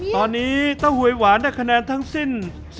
ตอนนี้เต้าหวยหวานได้คะแนนทั้งสิ้น